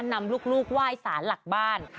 นำลูกไหว้สารหลักบ้าน